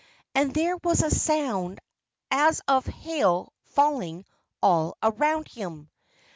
And there was a sound as of hail falling all around him.